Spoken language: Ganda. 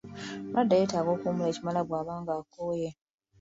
Omulwadde yeetaaga okuwummula ekimala bw’aba ng’akooye.